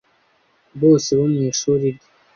bose bo mu ishuri rye